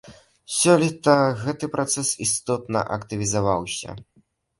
Сёлета гэты працэс істотна актывізаваўся.